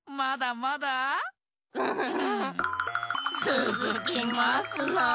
つづきますなあ！